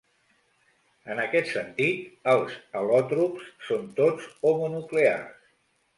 En aquest sentit, els al·lòtrops són tots homonuclears.